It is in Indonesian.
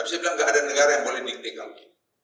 tapi saya bilang gak ada negara yang boleh diktik kami